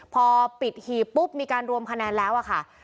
พอปิดหีบปุ๊บมีการรวมคะแนนแล้วอะค่ะ